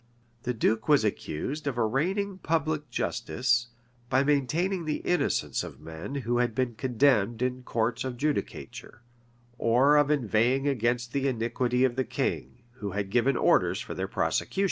The duke was accused of arraigning public justice, by maintaining the innocence of men who had been condemned in courts of judicature, and or inveighing against the iniquity of the king, who had given orders for their prosecution.